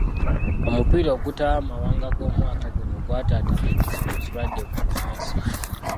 Omupiira ogutaba amawanga ogw'omwaka guno gwataataaganyizibwa ekirwadde bbunansi.